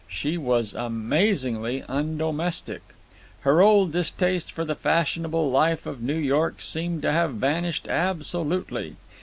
She was amazingly undomestic. Her old distaste for the fashionable life of New York seemed to have vanished absolutely.